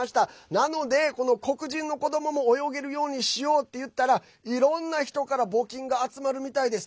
なので、黒人の子どもも泳げるようにしようって言ったらいろんな人から募金が集まるみたいです。